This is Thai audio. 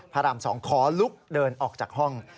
พระราม๒ขอลุกเดินออกจากห้อง